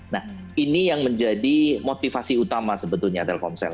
nah ini yang menjadi motivasi utama sebetulnya telkomsel